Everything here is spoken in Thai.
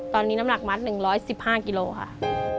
ตอนนี้น้ำหนักมัด๑๑๕กิโลค่ะ